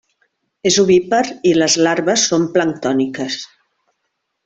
És ovípar i les larves són planctòniques.